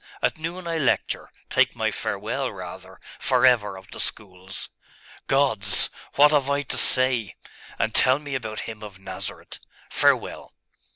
At noon I lecture.... take my farewell, rather, for ever of the schools....Gods! What have I to say?.... And tell me about Him of Nazareth. Farewell!